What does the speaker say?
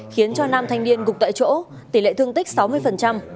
khiến cho nam thanh niên gục tại chỗ tỷ lệ thương tích sáu mươi